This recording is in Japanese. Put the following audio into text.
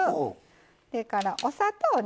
それからお砂糖ね。